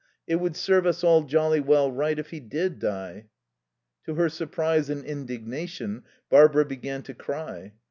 ... It would serve us all jolly well right if he did die." To her surprise and indignation, Barbara began to cry.